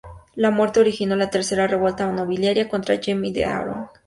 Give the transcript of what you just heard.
Su muerte originó la tercera revuelta nobiliaria contra Jaime I de Aragón.